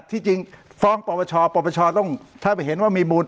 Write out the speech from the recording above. ที่จริงฟ้องประชาประชาต้องถ้าไปเห็นว่ามีเหววมากมติ